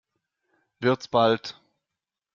Wird's bald?